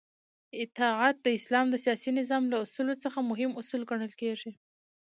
اطاعت د اسلام د سیاسی نظام له اصولو څخه مهم اصل ګڼل کیږی